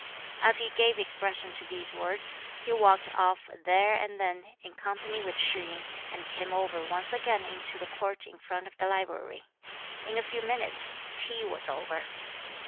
As he gave expression to these words, he walked off there and then, in company with Shih yin, and came over once again into the court in front of the library. In a few minutes, tea was over.